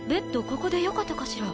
ここでよかったかしら？